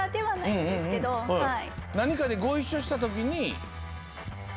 何かでご一緒した時に。